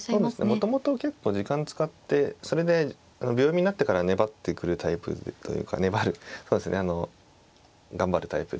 もともと結構時間使ってそれで秒読みになってから粘ってくるタイプというか粘るそうですね頑張るタイプで。